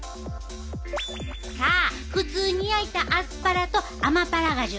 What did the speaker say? さあ普通に焼いたアスパラとアマパラガジュ